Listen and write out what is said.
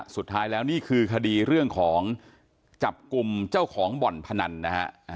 สุดท้ายแล้วนี่คือคดีเรื่องของจับกลุ่มเจ้าของบ่อนพนันนะฮะ